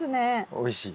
おいしい？